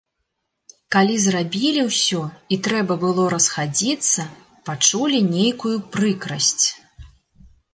Калі зрабілі ўсё і трэба было расхадзіцца, пачулі нейкую прыкрасць.